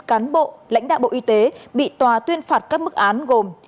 cán bộ lãnh đạo bộ y tế bị tòa tuyên phạt các mức án gồm